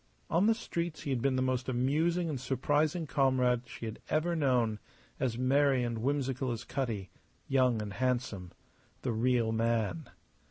On the streets he had been the most amusing and surprising comrade she had ever known, as merry and whimsical as Cutty young and handsome the real man.